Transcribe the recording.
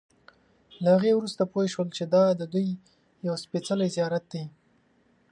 له هغې وروسته پوی شول چې دا ددوی یو سپېڅلی زیارت دی.